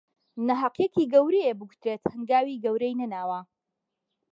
ناهەقییەکی گەورەیە بگوترێت هەنگاوی گەورەی نەناوە